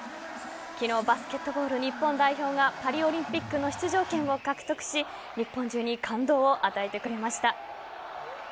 昨日バスケットボール日本代表がパリオリンピックの出場権を獲得し日本中に感動を与えてくれました。